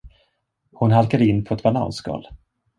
Hon halkade in på ett bananskal.